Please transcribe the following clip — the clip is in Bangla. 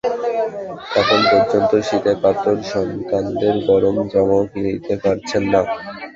এখন প্রচণ্ড শীতে কাতর সন্তানদের গরম জামাও কিনে দিতে পারছেন না।